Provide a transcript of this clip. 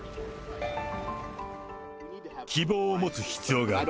希望を持つ必要がある。